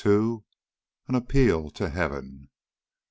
AN APPEAL TO HEAVEN.